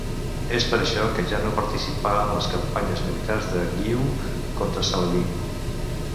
És per això que ja no participà en les campanyes militars de Guiu contra Saladí.